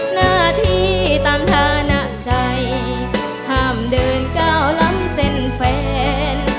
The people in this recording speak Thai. หน้าที่ตามฐานะใจห้ามเดินก้าวล้ำเส้นแฟน